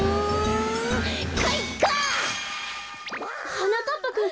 はなかっぱくん。